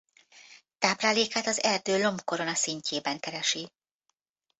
Táplálékát az erdő lombkoronaszintjében keresi.